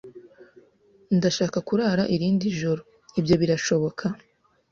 Ndashaka kurara irindi joro. Ibyo birashoboka?